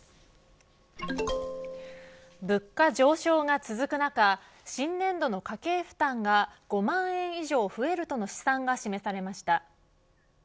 物価上昇が続く中新年度の家計負担が５万円以上増えるとの試算が示されました。